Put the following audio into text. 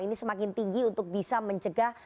ini semakin tinggi untuk bisa mencegah